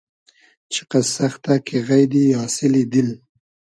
چیقئس سئختۂ کی غݷدی آسیلی دیل